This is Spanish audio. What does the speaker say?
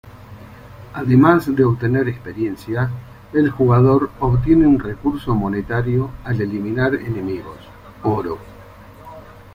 Además de obtener experiencia, el jugador obtiene un recurso monetario al eliminar enemigos: oro.